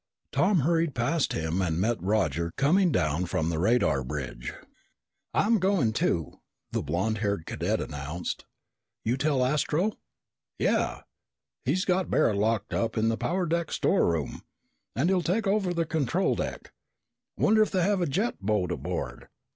Tom hurried past him and met Roger coming down from the radar bridge. "I'm going too!" the blond haired cadet announced. "You tell Astro?" "Yeah. He's got Barret locked in the power deck storeroom and he'll take over the control deck. Wonder if they have a jet boat aboard?"